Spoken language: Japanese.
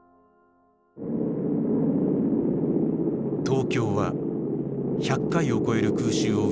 東京は１００回を超える空襲を受け